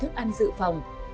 thức ăn dự phòng